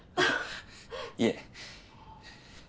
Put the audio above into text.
いえ。